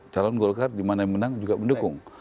calon golkar dimana yang menang juga mendukung